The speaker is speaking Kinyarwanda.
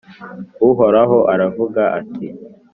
Uhoraho aravuga ati